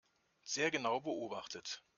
Sehr genau beobachtet.